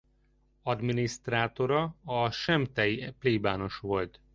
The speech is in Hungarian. Adminisztrátora a semptei plébános volt.